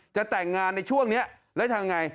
จะแต่งงานในช่วงนี้แล้วทำไง